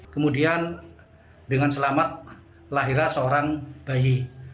kemudian dengan selamat lahirlah seorang bayi